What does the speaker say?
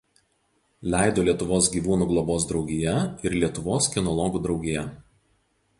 Leido Lietuvos gyvūnų globos draugija ir Lietuvos kinologų draugija.